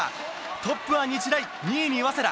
トップは日大、２位に早稲田。